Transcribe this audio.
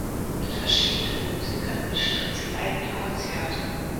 Mit verschiedenen Musikern bestritt sie eigene Konzerte.